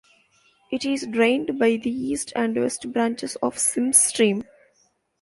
It is drained by the east and west branches of Simms Stream.